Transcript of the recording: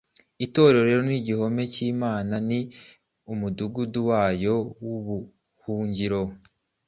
Itoreroniigihome cy’Imana, ni umudugudu wayo w’ubuhungiro